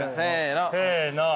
せの！